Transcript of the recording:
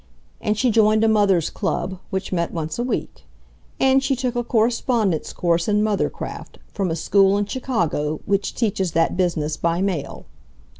And she joined a Mothers' Club which met once a week. And she took a correspondence course in mothercraft from a school in Chicago which teaches that business by mail.